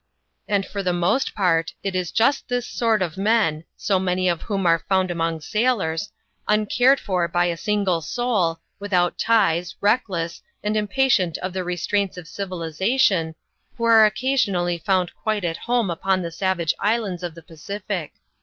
And for the most part, it is just this sort of men — so many of whom are found among sailors — uncared for by a single soul, without ties, reckless, and impatient of the restraints of civilization, who are occasionally found quite at home upon the savage islands of the Pacific.